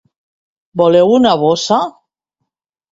Voleu una bossa?